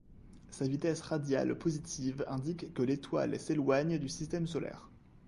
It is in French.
Sa vitesse radiale positive indique que l’étoile s’éloigne du système solaire.